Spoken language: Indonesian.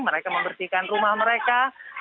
mereka membersihkan rumah mereka